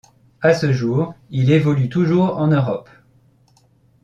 À ce jour, il évolue toujours en Europe.